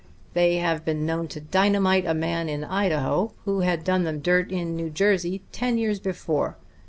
They have been known to dynamite a man in Idaho who had done them dirt in New Jersey ten years before.